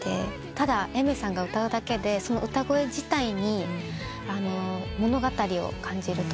ただＡｉｍｅｒさんが歌うだけでその歌声自体に物語を感じるというか。